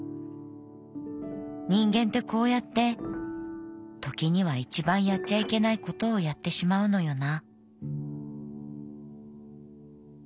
人間てこうやって時には一番やっちゃいけないことをやってしまうのよな」。